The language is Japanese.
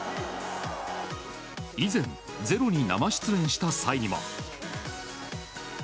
以前、「ｚｅｒｏ」に生出演した際にも。